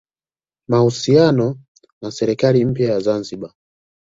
mahusiano na serikali mpya ya Zanzibar